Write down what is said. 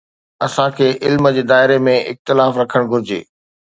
اسان کي علم جي دائري ۾ اختلاف رکڻ گهرجي.